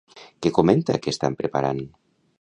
Què comenta que estan preparant?